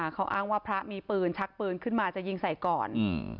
เขาอ้างว่าพระมีปืนชักปืนขึ้นมาจะยิงใส่ก่อน